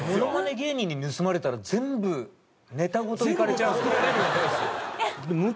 芸人に盗まれたら全部ネタごといかれちゃうんですもんね。